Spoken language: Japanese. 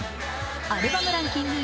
アルバムランキング